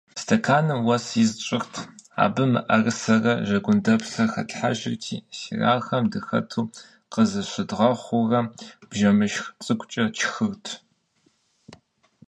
Стэканым уэс из тщӏырт, абы мыӏэрысэрэ жэгундэпсрэ хэтлъхьэжырти, сериалхэм дыхэту къызыщыдгъэхъуурэ бжэмышх цӏыкӏукӏэ тшхырт.